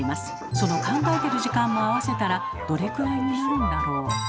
その考えてる時間も合わせたらどれくらいになるんだろう？